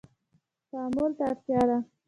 تعامل ته اړتیا ده